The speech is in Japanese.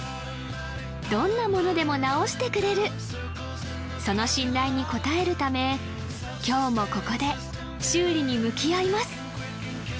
どんなものでも直してくれるその信頼に応えるため今日もここで修理に向き合います